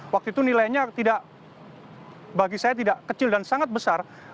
waktu itu nilainya tidak bagi saya tidak kecil dan sangat besar